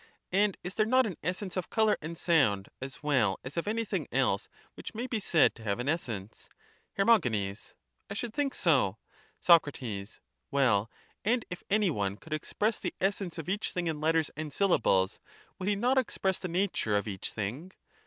And is there not an essence of colour and sound as well as of anything else which may be said to have an essence? Her. I should think so. Soc. Well, and if any one could express the essence of each thing in letters and syllables, would he not express the nattu e of each thing?